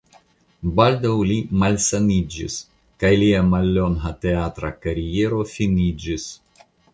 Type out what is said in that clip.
Baldaŭ li malsaniĝis kaj lia mallonga teatra kariero finiĝis.